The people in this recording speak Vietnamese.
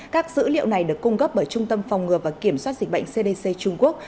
các dữ liệu này được cung cấp bởi trung tâm phòng ngừa và kiểm soát dịch bệnh cdc trung quốc